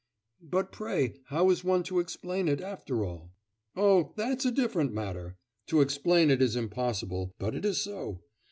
'But pray, how is one to explain it, after all?...' 'Oh, that's a different matter! To explain it is impossible, but it is so.